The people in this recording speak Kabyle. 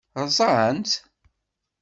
Ṛṛẓant-t?